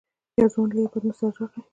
يو ځوان له يوه پتنوس سره راغی.